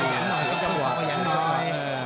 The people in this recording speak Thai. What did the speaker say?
ขยันหน่อยต้องเพิ่มประหยันหน่อย